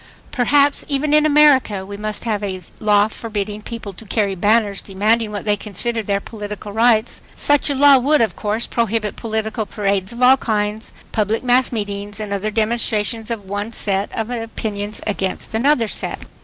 Perhaps, even in America, we must have a law forbidding people to carry banners demanding what they consider their political rights. Such a law would, of course, prohibit political parades of all kinds, public mass meetings and other demonstrations of one set of opinions against another set.